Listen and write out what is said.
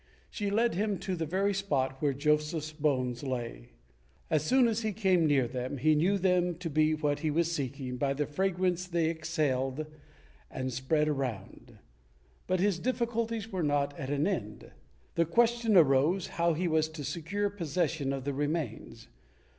She led him to the very spot where Joseph's bones lay. As soon as he came near them, he knew them to be what he was seeking, by the fragrance they exhaled and spread around. But his difficulties were not at an end. The question arose, how he was to secure possession of the remains.